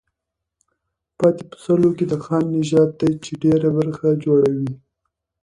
پاتې په سلو کې د خان نژاد دی چې ډېره برخه جوړوي.